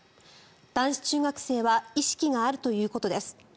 男子中学生は意識があるということです。